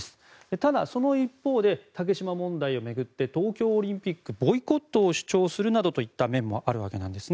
ただ、その一方で竹島問題を巡って東京オリンピックボイコットを主張するといった面もあるわけです。